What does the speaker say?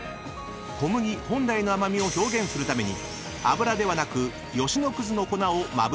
［小麦本来の甘味を表現するために油ではなく吉野葛の粉をまぶしています］